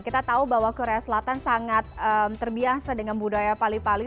kita tahu bahwa korea selatan sangat terbiasa dengan budaya pali pali